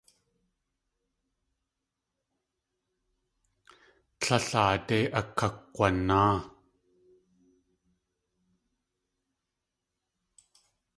Tlél aadé akakg̲wanáa.